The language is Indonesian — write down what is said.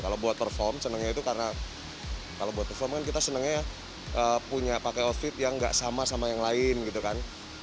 kalau buat performa senangnya itu karena kita senangnya punya pakai outfit yang gak sama sama yang lain gitu kan